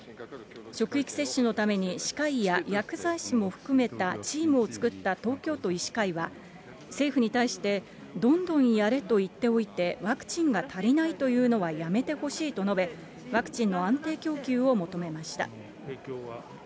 職域接種のために歯科医や薬剤師も含めたチームを作った東京都医師会は政府に対して、どんどんやれと言っておいて、ワクチンが足りないというのはやめてほしいと述べ、ワクチンの安定供給を求めました。